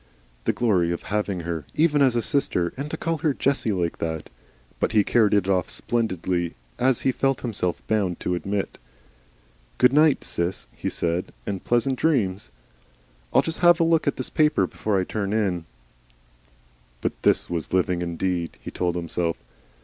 The glory of having her, even as a sister! and to call her Jessie like that! But he carried it off splendidly, as he felt himself bound to admit. "Good night, Sis," he said, "and pleasant dreams. I'll just 'ave a look at this paper before I turn in." But this was living indeed! he told himself.